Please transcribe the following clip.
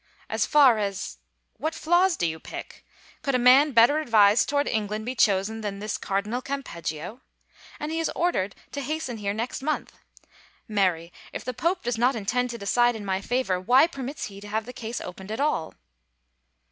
" As far as — what flaws do you pick? Could a man better advised toward England be chosen than this Cardi nal Campeggio? And he is ordered to hasten here next month. Marry, if the pope does not intend to decide in my favor why permits he to have the case opened at all